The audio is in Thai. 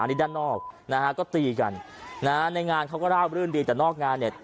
อันนี้ด้านนอกนะฮะก็ตีกันนะฮะในงานเขาก็ราบรื่นดีแต่นอกงานเนี่ย